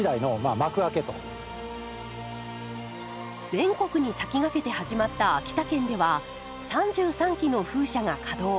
全国に先駆けて始まった秋田県では３３基の風車が稼働。